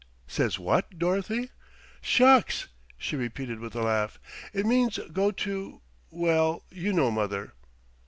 '" "Says what, Dorothy?" "Shucks!" she repeated with a laugh, "it means go to well, you know, mother."